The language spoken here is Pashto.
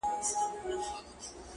نه زارۍ دي سي تر ځایه رسېدلای٫